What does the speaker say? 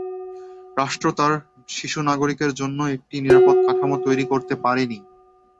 রাষ্ট্র তার শিশু নাগরিকের জন্য একটি নিরাপদ কাঠামো তৈরি করতে পারেনি।